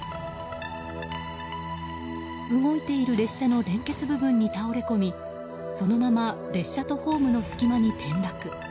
動いている列車の連結部分に倒れ込みそのまま列車とホームの隙間に転落。